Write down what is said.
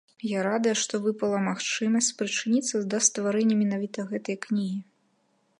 Я радая, што выпала магчымасць спрычыніцца да стварэння менавіта гэтай кнігі.